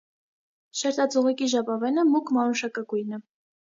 Շերտաձողիկի ժապավենը մուգ մանուշակագույն է։